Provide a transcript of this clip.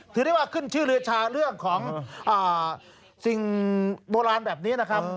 ถือได้ว่าขึ้นชื่อเรือชาเรื่องของสิ่งโบราณแบบนี้นะครับ